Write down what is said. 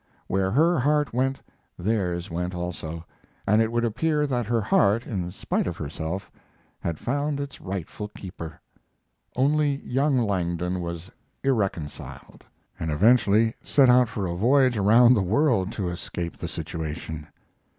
Where her heart went theirs went also, and it would appear that her heart, in spite of herself, had found its rightful keeper. Only young Langdon was irreconciled, and eventually set out for a voyage around the world to escape the situation.